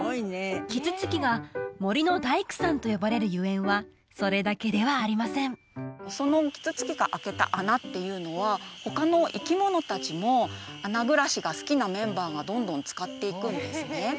キツツキが森の大工さんと呼ばれるゆえんはそれだけではありませんそのキツツキが開けた穴っていうのは他の生き物達も穴暮らしが好きなメンバーがどんどん使っていくんですね